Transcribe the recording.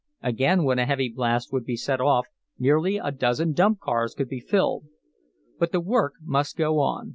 Again, when a heavy blast would be set off hardly a dozen dump cars could be filled. But the work must go on.